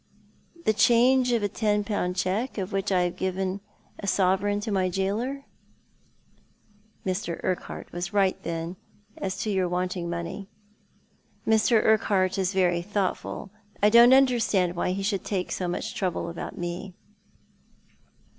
" The change of a ten pound cheque, of which I have given a sovereign to my gaoler." " Mr. Urquhart was right, then, as to your wanting money ?"" Mr. Urquhart is very thoughtful. I dim't understand why he should take so much trouble about me."